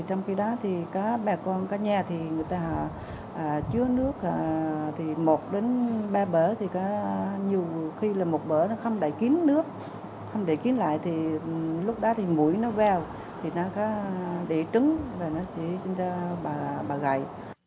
trong khi đó có bè con có nhà người ta chứa nước một đến ba bở nhiều khi một bở không đẩy kín nước không đẩy kín lại lúc đó mũi nó veo nó đẩy trứng và nó sẽ sinh ra bọ gậy